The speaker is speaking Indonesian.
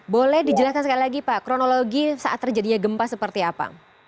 boleh dijelaskan sekali lagi pak kronologi saat terjadinya gempa seperti apa